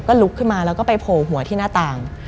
ลุกขึ้นมาแล้วก็ไปโผล่หัวที่หน้าต่าง